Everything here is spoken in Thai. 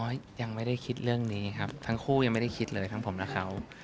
ก็ยังไม่ได้คิดเรื่องนี้ครับทั้งคู่ยังไม่ได้คิดเลยทั้งผมและเขา